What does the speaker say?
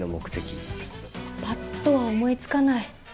パッとは思いつかない。